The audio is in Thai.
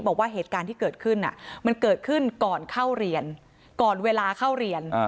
บอกว่าเหตุการณ์ที่เกิดขึ้นมันเกิดขึ้นก่อนเข้าเรียนก่อนเวลาเข้าเรียน